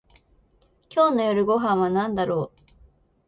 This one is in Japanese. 今日の夜ご飯はなんだろう